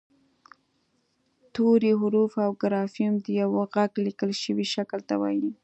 توری حرف او ګرافیم د یوه غږ لیکل شوي شکل ته وايي